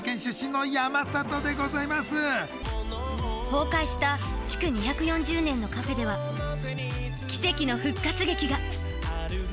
崩壊した築２４０年のカフェでは奇跡の復活劇が。